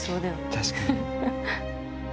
確かに。